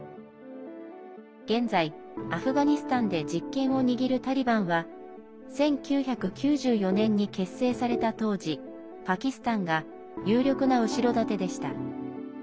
現在、アフガニスタンで実権を握るタリバンは１９９４年に結成された当時パキスタンが有力な後ろ盾でした。